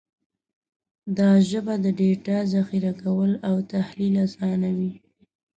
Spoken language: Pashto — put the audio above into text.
دا ژبه د ډیټا ذخیره کول او تحلیل اسانوي.